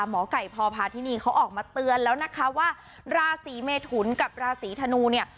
หมอไก่พพาธินีเขาออกมาเตือนแล้วนะคะว่าราศีเมทุนกับราศีธนูเนี่ย